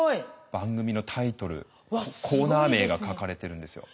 番組のタイトルコーナー名が書かれてるんですよ。